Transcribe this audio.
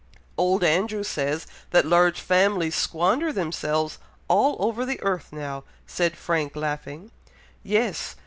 "Old Andrew says that large families 'squander' themselves all over the earth now," said Frank, laughing. "Yes!